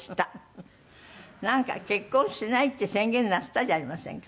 なんか結婚しないって宣言なすったじゃありませんか。